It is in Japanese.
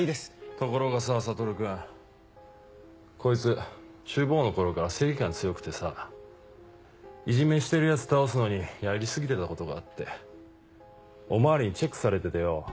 ところがさ悟君こいつ中坊の頃から正義感強くてさいじめしてるヤツ倒すのにやり過ぎてたことがあってお巡りにチェックされててよ。